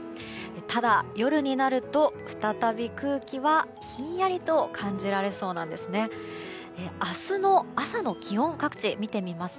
ただ、夜になると再び空気はひんやりと感じられそうなんです。